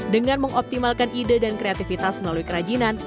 dengan mengoptimalkan ide dan kreativitas melalui kerajinan